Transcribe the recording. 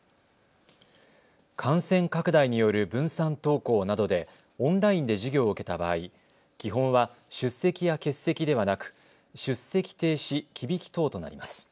感染拡大による分散登校などでオンラインで授業を受けた場合、基本は出席や欠席ではなく出席停止・忌引き等となります。